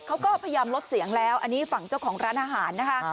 เขาก็พยายามลดเสียงแล้วอันนี้ฝั่งเจ้าของร้านอาหารนะคะ